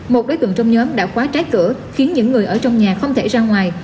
một đối tượng trong nhóm đã khóa trái cửa khiến những người ở trong nhà không thể ra ngoài